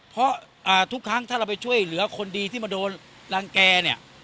เพราะทุกครั้งถ้าเราไปช่วยเหลือคนดีที่มาโดนรังแก่เนี่ย